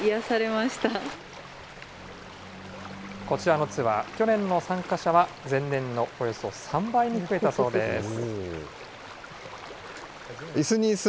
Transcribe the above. このツアー、去年の参加者は前年のおよそ３倍に増えたそうです。